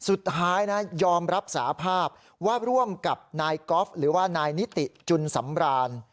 สุดท้ายนะยอมรับสาภาพว่าร่วมกับนายกอล์ฟหรือว่านายนิติจุนสำราน